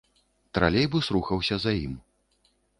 Тралейбус рухаўся за ім.